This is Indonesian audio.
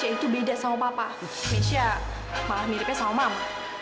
yaitu beda sama papa misha malah miripnya sama mama